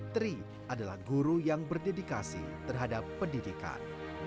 tri adalah guru yang berdedikasi terhadap pendidikan